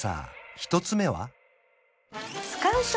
１つ目は？